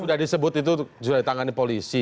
sudah disebut itu sudah ditangani polisi